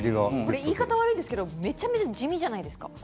言い方悪いですけどこれはめちゃめちゃ地味じゃないですか。